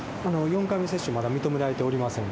４回目接種、まだ認められておりません。